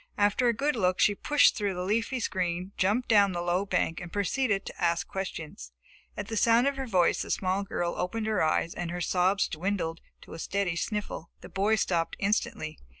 After a good look, she pushed through the leafy screen, jumped down the low bank and proceeded to ask questions. At the sound of her voice the small girl opened her eyes and her sobs dwindled to a steady sniffle. The boy stopped instantly.